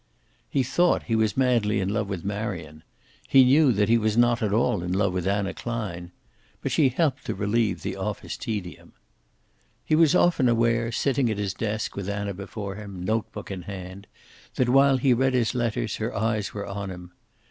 He thought he was madly in love with Marion. He knew that he was not at all in love with Anna Klein. But she helped to relieve the office tedium. He was often aware, sitting at his desk, with Anna before him, notebook in hand, that while he read his letters her eyes were on him.